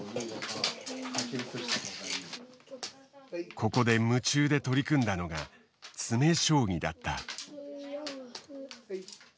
ここで夢中で取り組んだのが詰将棋だった。